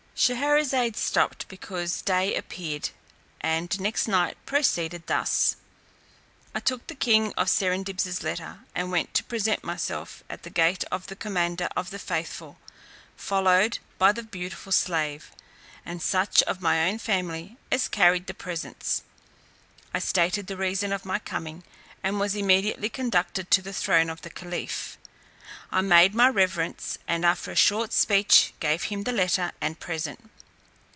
Scheherazade stopped, because day appeared, and next night proceeded thus. I took the king of Serendib's letter, and went to present myself at the gate of the commander of the faithful, followed by the beautiful slave, and such of my own family as carried the presents. I stated the reason of my coming, and was immediately conducted to the throne of the caliph. I made my reverence, and, after a short speech, gave him the letter and present.